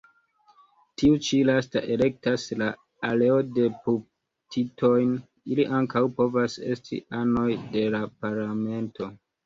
Tiu ĉi lasta elektas la areo-deputitojn; ili ankaŭ povas esti anoj de la Parlamento.